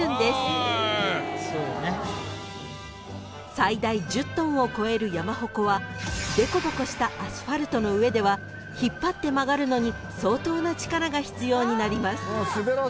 ［最大１０ｔを超える山鉾は凸凹したアスファルトの上では引っ張って曲がるのに相当な力が必要になります］